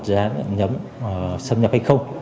dán nhấm xâm nhập hay không